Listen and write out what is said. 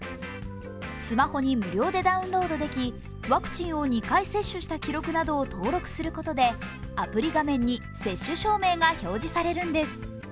スマホに無料でダウンロードできワクチンを２回接種した記録などを登録することで、アプリ画面に接種証明が表示されるんです。